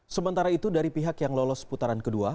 sementara itu dari pihak yang lolos putaran kedua